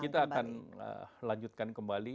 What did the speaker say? kita akan lanjutkan kembali